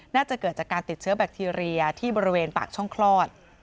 น่าจะเกิดจากการติดเชื้อแบคทีเรียที่บริเวณปากช่องคลอด